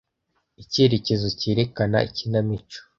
Icyerekezo cyerekana ikinamico